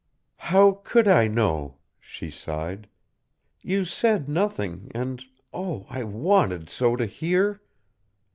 "How could I know?" she sighed. "You said nothing, and, oh! I wanted so to hear!"